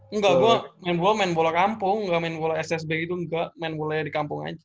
engga gue main bola main bola kampung engga main bola ssb itu engga main bola di kampung aja